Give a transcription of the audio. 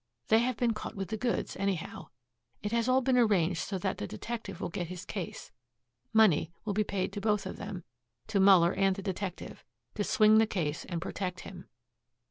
They have been caught with the goods, anyhow. It has all been arranged so that the detective will get his case. Money will be paid to both of them, to Muller and the detective, to swing the case and protect him.